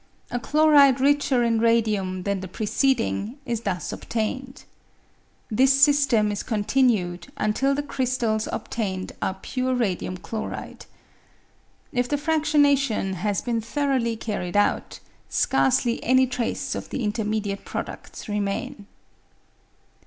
A chloride richer in radium than the preceding is thus obtained. This system is contmued until the crystals obtained are pure radium chloride. If the fractionation has been thoroughly carried out, scarcely any trace of the intermediate products remain.